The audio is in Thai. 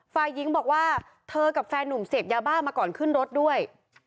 ฝ่ายหญิงบอกว่าเธอกับแฟนหนุ่มเสพยาบ้ามาก่อนขึ้นรถด้วย